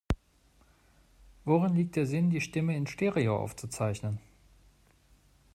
Worin liegt der Sinn, die Stimme in Stereo aufzuzeichnen?